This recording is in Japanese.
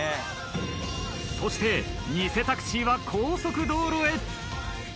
そして偽タクシーは高速道路へ。